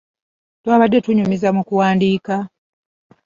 Twabadde tunyumiza mu kuwandiika.